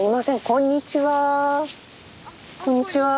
こんにちは。